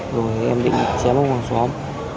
rồi em định xé mất hoàng xóm